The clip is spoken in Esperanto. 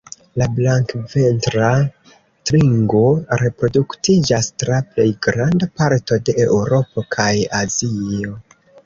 La Blankventra tringo reproduktiĝas tra plej granda parto de Eŭropo kaj Azio.